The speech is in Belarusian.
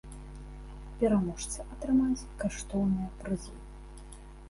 Пераможцы атрымаюць каштоўныя прызы.